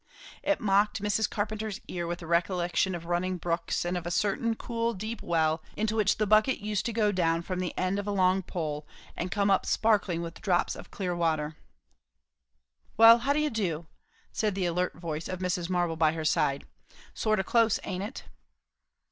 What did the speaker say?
It mocked Mrs. Carpenter's ear with the recollection of running brooks, and of a certain cool deep well into which the bucket used to go down from the end of a long pole and come up sparkling with drops of the clear water. "Well, how do you do?" said the alert voice of Mrs. Marble by her side. "Sort o' close, aint it?"